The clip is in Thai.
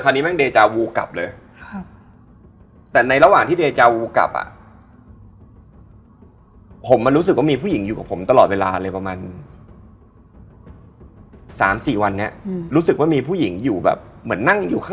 พี่มันจะฝันอะไรที่เป็นอยู่ชีวิตเด็กมาขอยามันแปลก